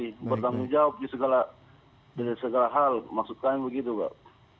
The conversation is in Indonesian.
bertanggung jawab di segala hal maksud saya begitu pak